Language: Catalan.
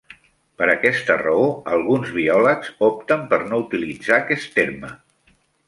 Per aquesta raó, alguns biòlegs opten per no utilitzar aquest terme.